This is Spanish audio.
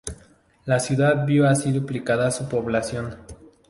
La ciudad vio así duplicada su población.